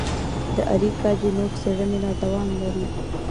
د اریکا چینوت څېړنې لا دوام لري.